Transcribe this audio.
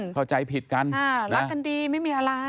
เข้าใจผิดกันรักกันดีไม่มีอะไร